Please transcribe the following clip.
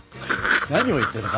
何を言ってるの？